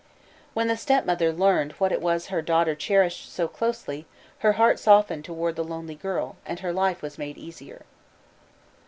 When the stepmother learned what it was her daughter cherished so closely, her heart softened toward the lonely girl, and her life was made easier.